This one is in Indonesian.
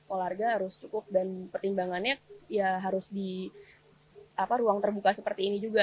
olahraga harus cukup dan pertimbangannya ya harus di ruang terbuka seperti ini juga